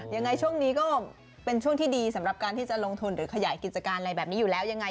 ยังไงช่วงนี้ก็เป็นช่วงที่ดีสำหรับการที่จะลงทุนหรือขยายกิจการอะไรแบบนี้อยู่แล้วยังไง